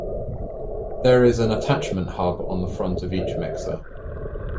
There is an attachment hub on the front of each mixer.